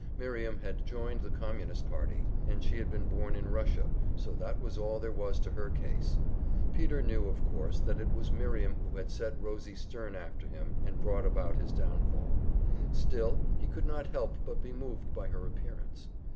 Miriam had joined the Communist Party, and she had been born in Russia, so that was all there was to her case. Peter, knew, of course that it was Miriam who had set Rosie Stern after him and brought about his downfall. Still, he could not help but be moved by her appearance.